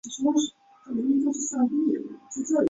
洛蒙诺索夫站是圣彼得堡地铁的一个车站。